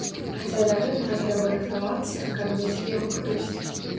Хаця да гэтага трэба рыхтавацца, каб мець ад яго карысць.